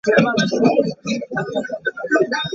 Confederate forces rush to defend the bridge.